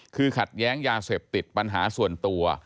คือขัดแย้งยาเสพติดปัญหาส่วนตัว